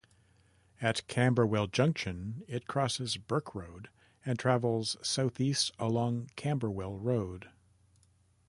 At Camberwell Junction it crosses Burke Road and travels south east along Camberwell Road.